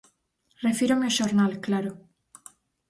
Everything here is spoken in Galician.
Refírome ao xornal, claro.